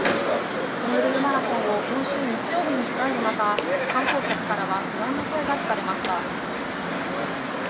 ホノルルマラソンを今週日曜日に控える中、観光客からは不安の声が聞かれました。